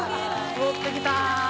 戻ってきた！